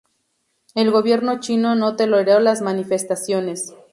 El gobierno chino no toleró las manifestaciones.